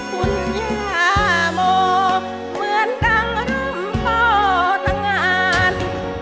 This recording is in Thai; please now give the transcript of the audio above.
คุณยาโมเหมือนดังร่ำโปะต่างอ่าน